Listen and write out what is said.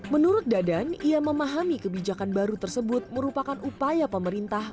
menurut dadan ia memahami kebijakan baru tersebut merupakan upaya pemerintah